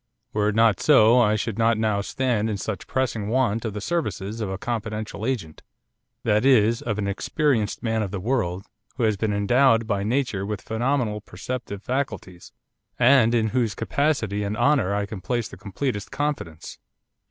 Were it not so I should not now stand in such pressing want of the services of a confidential agent, that is, of an experienced man of the world, who has been endowed by nature with phenomenal perceptive faculties, and in whose capacity and honour I can place the completest confidence.